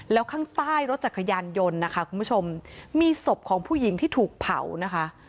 แล้วข้างใต้รถจักรยานยนต์นะคะคุณผู้ชมมีศพของผู้หญิงที่ถูกเผานะคะ